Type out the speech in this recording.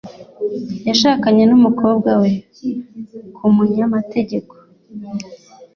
Yashakanye n'umukobwa we ku munyamategeko.